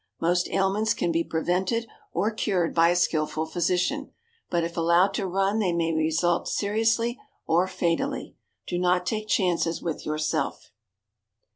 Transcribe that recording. Most ailments can be prevented or cured by a skillful physician, but if allowed to run they may result seriously or fatally. Do not take chances with yourself.